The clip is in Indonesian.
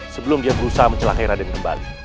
sebelum dia berusaha mencelakai raden kembali